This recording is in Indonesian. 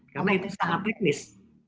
karena itu sangat teknis